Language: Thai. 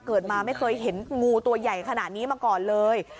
เกิดมาไม่เคยเห็นงูตัวใหญ่ขนาดนี้มาก่อนเลย